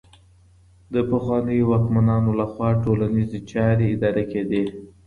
د پخوانيو واکمنانو لخوا ټولنيزې چارې اداره کيدې.